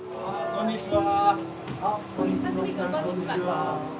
こんにちは。